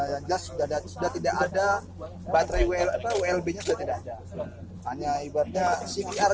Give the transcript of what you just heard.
yang jas sudah tidak ada baterai wlb nya sudah tidak ada